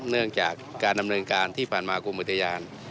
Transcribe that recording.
เนื่องจากการดำเนินการที่ผ่านมากรมอุทยาน